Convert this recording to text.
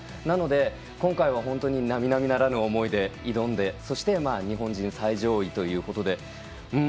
なので、今回は本当になみなみならぬ思いで挑んでそして日本人最上位ということで。